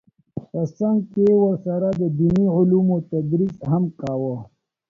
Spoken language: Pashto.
په څنګ کې یې ورسره د دیني علومو تدریس هم کاوه